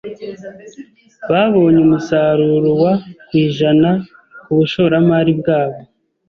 Babonye umusaruro wa ku ijana kubushoramari bwabo.